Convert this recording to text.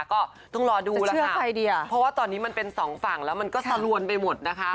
ก็ต้องรอดูแล้วค่ะเพราะว่าตอนนี้มันเป็นสองฝั่งแล้วมันก็สลวนไปหมดนะคะ